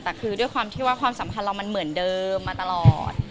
แต่คือด้วยความที่ว่าความสัมพันธ์เรามันเหมือนเดิมมาตลอด